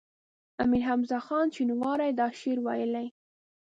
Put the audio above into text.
امیر حمزه خان شینواری دا شعر ویلی.